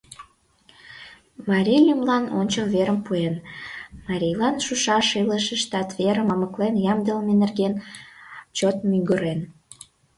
Марий лӱмлан ончыл верым пуэн, марийлан шушаш илышыштат верым мамыклен ямдылыме нерген чот мӱгырен.